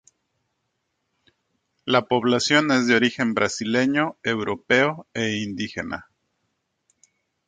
La población es de origen brasileño, europeo e indígena.